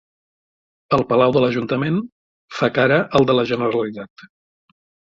El palau de l'Ajuntament fa cara al de la Generalitat.